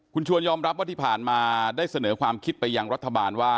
คุณชวนยอมรับว่าที่ผ่านมาได้เสนอความคิดไปยังรัฐบาลว่า